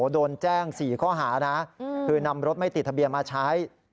โดนแจ้ง๔ข้อหานะคือนำรถไม่ติดทะเบียนมาใช้